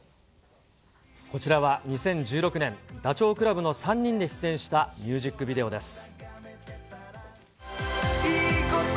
こちらは２０１６年、ダチョウ倶楽部の３人で出演したミュージックビデオです。